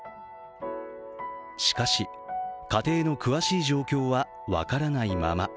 しかし家庭の詳しい状況は分からないまま。